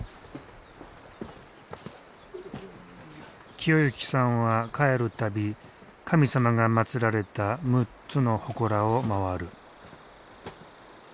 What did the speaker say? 清幸さんは帰る度神様がまつられた６つのほこらを回る。